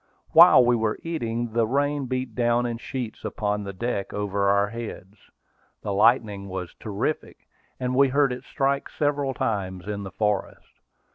While we were eating, the rain beat down in sheets upon the deck over our heads. The lightning was terrific, and we heard it strike several times in the forest.